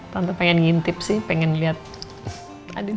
tante pengen ngintip sih pengen liat andin